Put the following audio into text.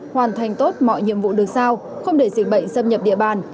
hoàn thành tốt mọi nhiệm vụ được sao không để dịch bệnh xâm nhập địa bàn